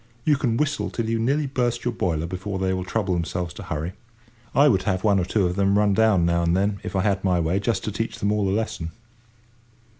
You can whistle till you nearly burst your boiler before they will trouble themselves to hurry. I would have one or two of them run down now and then, if I had my way, just to teach them all a lesson.